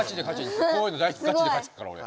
こういうのガチで勝つからおれ。